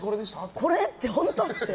これって本当？って。